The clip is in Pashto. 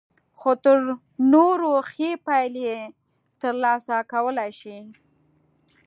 خو تر نورو ښې پايلې ترلاسه کولای شئ.